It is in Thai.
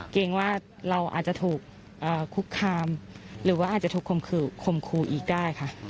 เกรงว่าเราอาจจะถูกคุกคามหรือว่าอาจจะถูกคมครูอีกได้ค่ะ